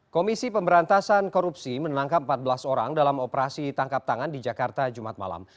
komisi pemberantasan korupsi menangkap empat belas orang dalam operasi tangkap tangan di jakarta jumat malam